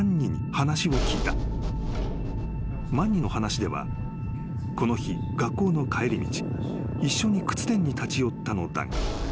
［マンニの話ではこの日学校の帰り道一緒に靴店に立ち寄ったのだが］